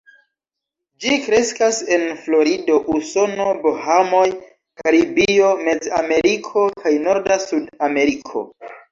Ĝi kreskas en Florido, Usono, Bahamoj, Karibio, Mez-Ameriko kaj norda Sud-Ameriko.